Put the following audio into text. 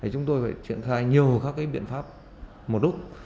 chúng tôi phải triển khai nhiều các biện pháp một lúc